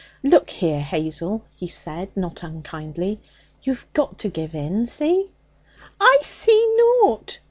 'Look here, Hazel,' he said, not unkindly; 'you've got to give in, see?' 'I see nought.'